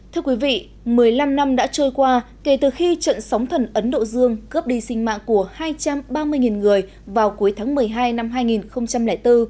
thưa quý vị một mươi năm năm đã trôi qua kể từ khi trận sóng thần ấn độ dương cướp đi sinh mạng của hai trăm ba mươi người vào cuối tháng một mươi hai năm hai nghìn bốn